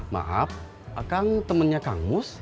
maaf akang temennya kangus